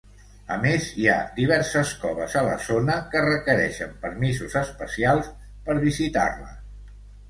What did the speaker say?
A més, hi ha diverses coves a la zona que requereixen permisos especials per visitar-les.